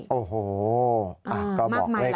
ก็บอกส่วนกันไปได้นะคะ